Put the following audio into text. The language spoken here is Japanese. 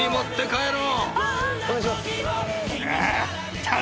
お願いします。